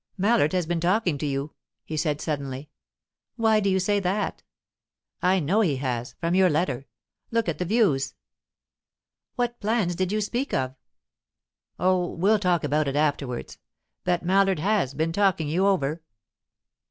"Mallard has been talking to you," he said suddenly. "Why do you say that?" "I know he has, from your letter. Look at the views!" "What plans did you speak of?" "Oh, we'll talk about it afterwards. But Mallard has been talking you over?"